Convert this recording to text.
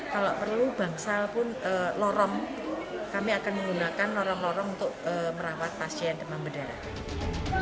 kalau perlu bangsa pun lorong kami akan menggunakan lorong lorong untuk merawat pasien demam berdarah